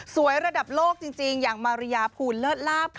ระดับโลกจริงอย่างมาริยาภูลเลิศลาบค่ะ